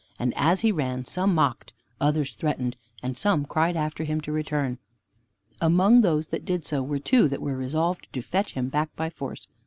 And as he ran some mocked, others threatened, and some cried after him to return. Among those that did so were two that were resolved to fetch him back by force.